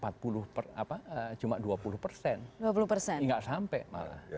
tidak sampai malah